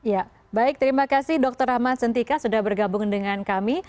ya baik terima kasih dokter rahmat sentika sudah bergabung dengan kami